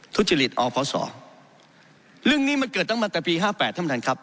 ทุจริตอพศเรื่องนี้มันเกิดตั้งแต่ปีห้าแปดท่านประธานครับ